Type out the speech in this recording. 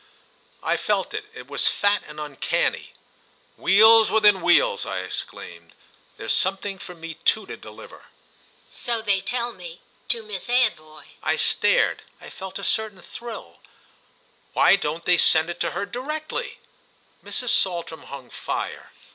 I felt it—it was fat and uncanny. "Wheels within wheels!" I exclaimed. "There's something for me too to deliver." "So they tell me—to Miss Anvoy." I stared; I felt a certain thrill. "Why don't they send it to her directly?" Mrs. Saltram hung fire.